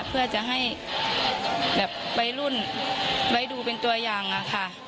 เพื่อจะให้แบบวัยรุ่นไว้ดูเป็นตัวอย่างอะค่ะ